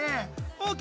ＯＫ！